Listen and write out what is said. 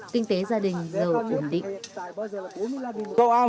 kinh tế gia đình giàu ổn định